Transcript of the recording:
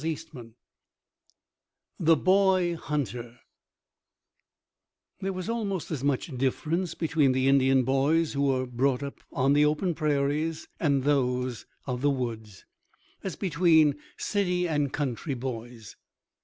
VI THE BOY HUNTER There was almost as much difference between the Indian boys who were brought up on the open prairies and those of the woods, as between city and country boys.